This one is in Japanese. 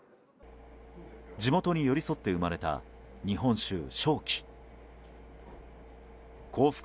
地元に寄り添って生まれた日本酒、笑